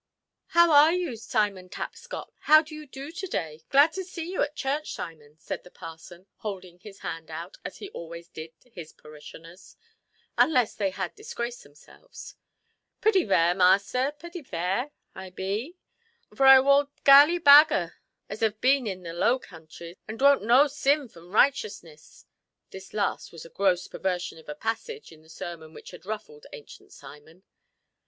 "How are you, Simon Tapscott? How do you do to–day? Glad to see you at church, Simon", said the parson, holding his hand out, as he always did to his parishioners, unless they had disgraced themselves. "Purty vair, measter; purty vair I be, vor a woald galley baggar as ave bin in the Low Countries, and dwoant know sin from righteousness". This last was a gross perversion of a passage in the sermon which had ruffled ancient Simon.